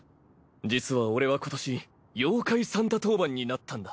実は俺は今年妖怪サンタ当番になったんだ。